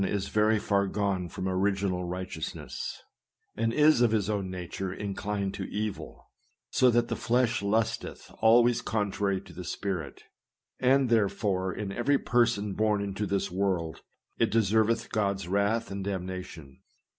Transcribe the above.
is very far gone from original righteousness, and is of his own nature inclined to evil, so that the flesh lusteth always contrary to the spirit ; and, therefore, in every person born into this world, it deserveth God's wrath and damnation.